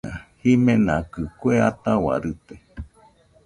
Jimenakɨ kue ataua rite